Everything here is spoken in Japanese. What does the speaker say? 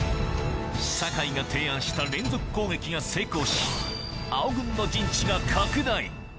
酒井が提案した連続攻撃が成功し青軍の陣地が拡大